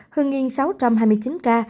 hương yên sáu trăm hai mươi chín ca